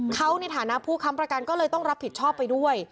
เขาในฐานะผู้ค้ำประกันก็เลยต้องรับผิดชอบไปด้วย